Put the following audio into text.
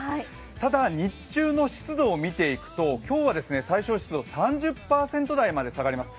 ただ、日中の湿度を見ていくと今日は最小湿度３０％台まで下がります。